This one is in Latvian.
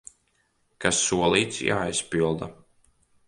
Kas solīts, jāizpilda!